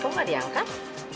kok nggak diangkat